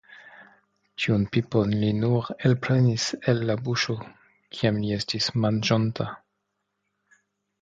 Tiun pipon li nur elprenis el la buŝo, kiam li estis manĝonta.